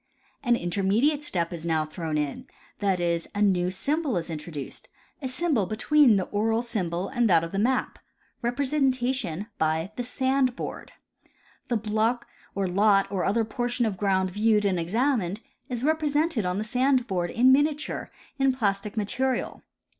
An intermediate step is now thrown in, that is, a new symbol is introduced — a symbol between the oral symbol and that of the map,— representation by the sand board. The block or lot or other portion of ground viewed and examined is represented on the sand board in miniature in plastic material.